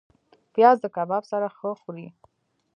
پیاز د کباب سره ښه خوري